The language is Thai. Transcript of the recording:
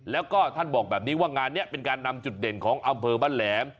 แล้วก็ท่านบอกแบบนี้ว่างานนี้เป็นการนำจุดเด่นของอำเภอบ้านแหลม